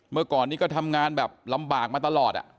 เมื่อก่อนนี้ก็ทำงานแบบลำบากมาตลอด